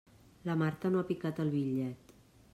La Marta no ha picat el bitllet.